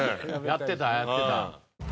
やってたやってた。